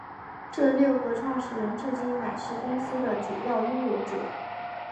这六个创始人至今仍是公司的主要拥有者。